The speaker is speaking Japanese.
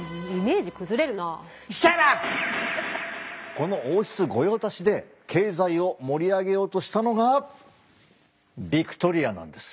この王室御用達で経済を盛り上げようとしたのがヴィクトリアなんです。